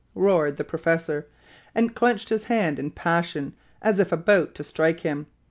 roared the professor, and clenched his hand in passion, as if about to strike him.